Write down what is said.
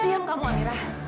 diam kamu amira